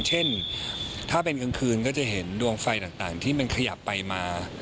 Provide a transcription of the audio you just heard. เช่นถ้าเป็นกลางคืนก็จะเห็นดวงไฟต่างที่มันขยับไปมา